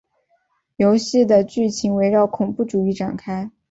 游戏的剧情围绕恐怖主义展开。